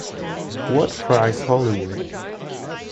What Price Hollywood?